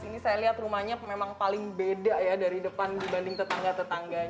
ini saya lihat rumahnya memang paling beda ya dari depan dibanding tetangga tetangganya